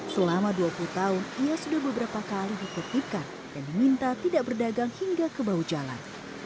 selama dua puluh tahun ia sudah beberapa kali ditertipkan dan diminta tidak berdagang hingga ke bahu jalan